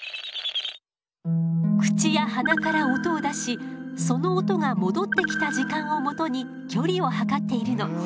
口や鼻から音を出しその音が戻ってきた時間をもとに距離を測っているの。